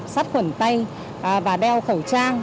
sắt khuẩn tay và đeo khẩu trang